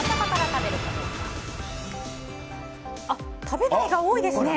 食べないが多いですね。